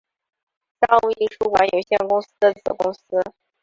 商务印书馆有限公司的子公司。